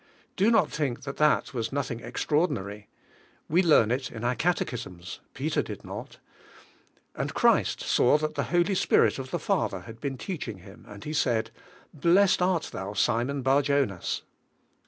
Do not think that that was nothing extraordinary. We learn it in our catechisms; Peter did not; and Christ saw that the Holy Spirit of the Father had been teaching him and He said: "Blessed art thou, Simon Bar jonas."